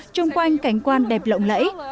trông quanh cảnh quan đẹp lộn lẫy